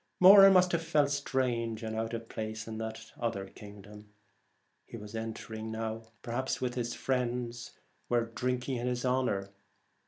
Moran must have felt strange and out of place in that other kingdom he was entering, perhaps while his friends were drinking in his honour.